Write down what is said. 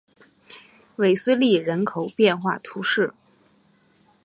韦斯利人口变化图示